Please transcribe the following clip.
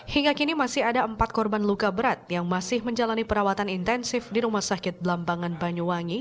hingga kini masih ada empat korban luka berat yang masih menjalani perawatan intensif di rumah sakit belambangan banyuwangi